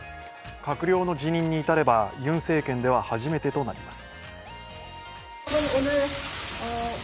閣僚の辞任に至ればユン政権では初めてとなります。